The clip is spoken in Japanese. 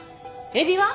エビは？